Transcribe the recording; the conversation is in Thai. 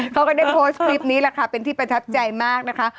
ก็ได้โพสต์คลิปนี้แหละค่ะเป็นที่ประทับใจมากนะคะ